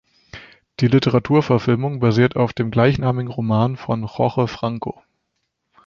Die Literaturverfilmung basiert auf dem gleichnamigen Roman von Jorge Franco.